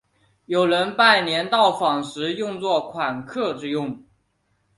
有人拜年到访时用作款客之用。